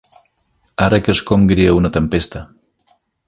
Ara que es congria una tempesta.